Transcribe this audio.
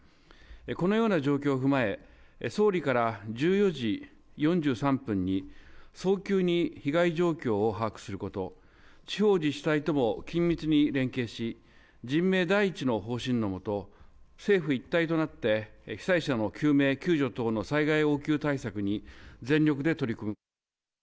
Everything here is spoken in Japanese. このような状況を踏まえ、総理から１４時４３分に、早急に被害状況を把握すること、地方自治体とも緊密に連携し、人命第一の方針のもと、政府一体となって、被災者の救命救助等の災害応急対策に全力で取り組む。